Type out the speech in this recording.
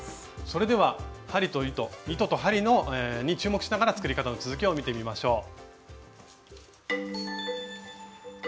それでは針と糸に注目しながら作り方の続きを見てみましょう。